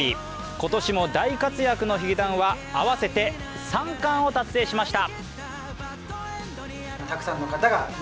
今年も大活躍のヒゲダンは合わせて３冠を達成しました。